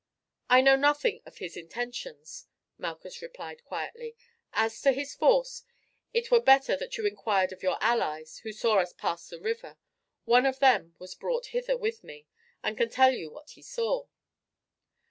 "I know nothing of his intentions," Malchus replied quietly, "as to his force, it were better that you inquired of your allies, who saw us pass the river. One of them was brought hither with me, and can tell you what he saw."